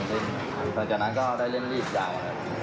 จากนั้นก็ได้เล่นรีบยาว